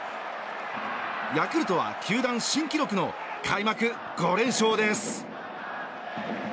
ヤクルトは球団新記録の開幕５連勝です。